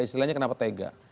istilahnya kenapa tega